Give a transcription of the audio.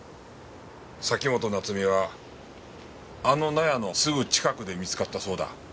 崎本菜津美はあの納屋のすぐ近くで見つかったそうだ。